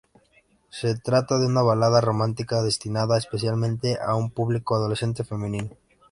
Se trata de una balada romántica, destinada especialmente a un público adolescente femenino.